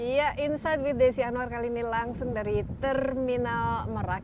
ya insight with desi anwar kali ini langsung dari terminal merak